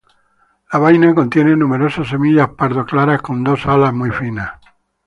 La vaina contiene numerosas semillas pardo claras con dos alas muy finas.